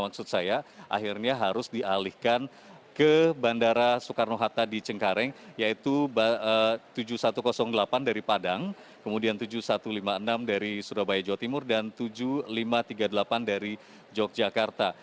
maksud saya akhirnya harus dialihkan ke bandara soekarno hatta di cengkareng yaitu tujuh ribu satu ratus delapan dari padang kemudian tujuh ribu satu ratus lima puluh enam dari surabaya jawa timur dan tujuh lima ratus tiga puluh delapan dari yogyakarta